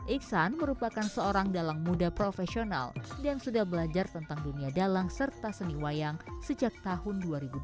iksan merupakan seorang dalang muda profesional dan sudah belajar tentang dunia dalang serta seni wayang sejak tahun dua ribu dua belas